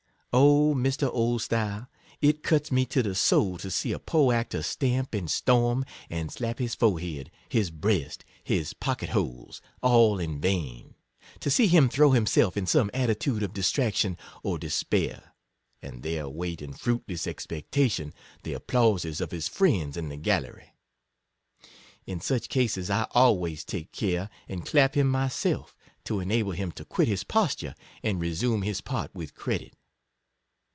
Oh ! Mr. Oldstyle, it cuts me to the soul to see a poor actor stamp and storm, and slap his forehead, his breast, his pocket holes, all in vain ; to see him throw himself in some attitude of distraction or des pair, and there wait in fruitless expectation the applauses of his friends in the gallery. In such cases, I always take care and clap him myself, to enable him to quit his pos ture, and resume his part with credit.